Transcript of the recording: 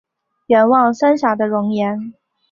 远望三峡的容颜